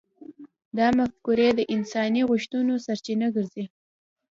دا مفکورې د انساني غوښتنو سرچینه ګرځي.